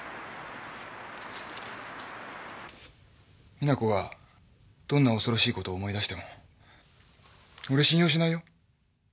実那子がどんな恐ろしいことを思い出しても俺信用しないよ。